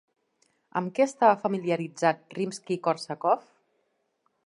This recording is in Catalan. Amb què estava familiaritzat Rimski-Kórsakov?